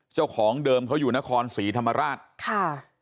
เจ้าของเดิมเขาอยู่นครศรีธรรมราชค่ะ